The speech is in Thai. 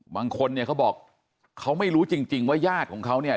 บางคนเนี่ยเขาบอกเขาไม่รู้จริงว่าญาติของเขาเนี่ย